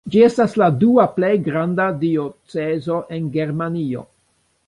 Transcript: Ĝi estas la dua plej granda diocezo en Germanio.